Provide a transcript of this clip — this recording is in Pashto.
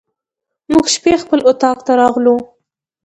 موږ شپې خپل اطاق ته راغلو.